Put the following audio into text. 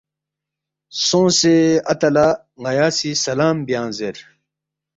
سونگسے اتا لہ ن٘یا سی سلام بیانگ زیر